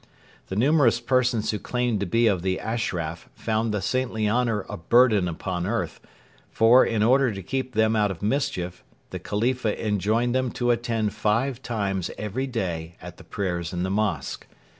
The numerous persons who claimed to be of the 'Ashraf' found the saintly honour a burden upon earth; for, in order to keep them out of mischief, the Khalifa enjoined them to attend five times every day at the prayers in the mosque.